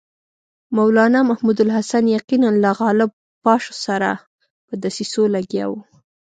مولنا محمود الحسن یقیناً له غالب پاشا سره په دسیسو لګیا وو.